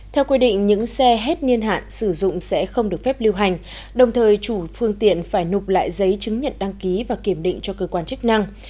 theo quy định những xe hết niên hạn sử dụng sẽ không được phép lưu hành đồng thời chủ phương tiện phải nục lại giấy chứng nhận đăng ký và kiểm định cho cơ quan chức năng